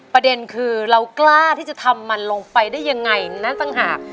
ประเด็นคือเรากล้าที่จะทำมันลงไปได้ยังไงนั่นต่างหาก